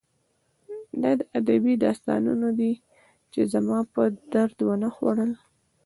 دا ادبي داستانونه دي چې زما په درد ونه خوړل